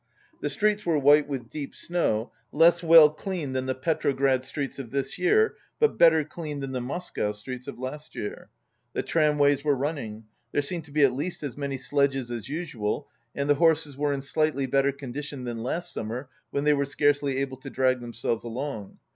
The streets were white with deep snow, less well cleaned than the Petrograd streets of this year but better cleaned than the Moscow streets of last year. The tramways were running. There seemed to be at least as many sledges as usual, and the horses were in slightly better condition than last summer when they were scarcely able to drag themselves along.